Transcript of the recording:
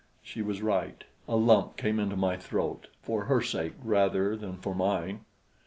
She was right. A lump came into my throat for her sake rather than for mine.